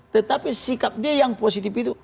tetapi sikap dia yang positif itu